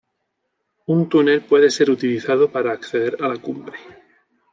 Un túnel puede ser utilizado para acceder a la cumbre.